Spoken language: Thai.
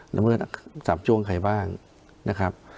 ละเมฆสัปดาห์ของใครบ้างนะครับ